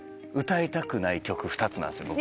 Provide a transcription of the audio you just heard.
歌いたくない曲２つなんですよ